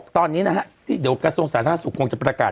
ตอนนี้นะฮะเดี๋ยวกสงสารธนาศุกร์คงจะประกาศ